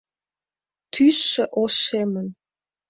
Тӱсшӧ ошемын.